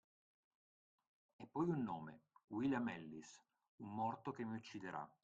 E poi un nome: William Ellis – un morto che mi ucciderà!